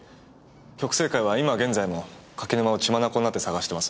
極征会は今現在も柿沼を血眼になって捜してます。